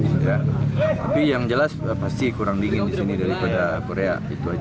tapi yang jelas pasti kurang dingin di sini daripada korea itu aja